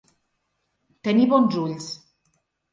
Tenir bons ulls.